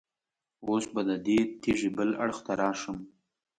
اوس به د دې تیږې بل اړخ ته راشم.